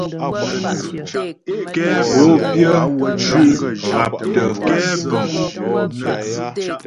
Pô pyə́ cʉ́' haptə.